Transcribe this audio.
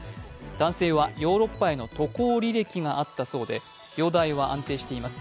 男性はヨーロッパへの渡航履歴があったそうで、容体は安定しています。